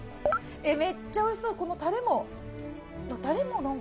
めっちゃおいしそうこのタレもタレも何か。